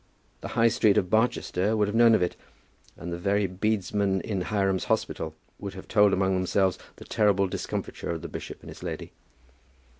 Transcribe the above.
The high street of Barchester would have known of it, and the very bedesmen in Hiram's Hospital would have told among themselves the terrible discomfiture of the bishop and his lady.